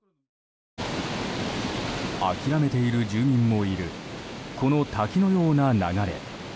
諦めている住民もいるこの滝のような流れ。